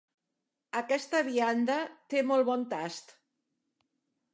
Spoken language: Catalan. Aquesta vianda té molt bon tast.